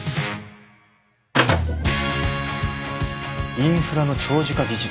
インフラの長寿化技術？